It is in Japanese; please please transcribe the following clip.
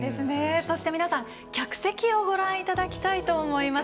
そして、皆さん客席をご覧いただきたいと思います。